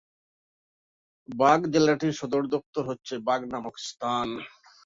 Bug জেলাটির সদর দপ্তর হচ্ছে বাগ নামক স্থান।